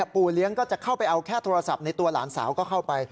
ปู่เลี้ยงก็จะเข้าไปเอาแค่โทรศัพท์ในตัวหลานสาวก็เข้าไป